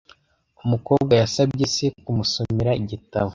Umukobwa yasabye se kumusomera igitabo.